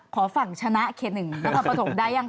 ขอฝั่งชนะเคนึงละกับปฐงได้ยังคะ